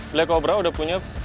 black cobra udah punya